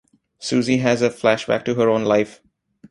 Susie has a flashback to her own life.